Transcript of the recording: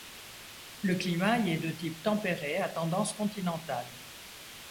Le climat y est de type tempéré, à tendance continentale.